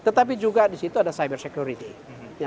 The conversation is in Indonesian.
tetapi juga di situ ada cybersecurity